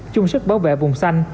chung sức bảo vệ vùng xanh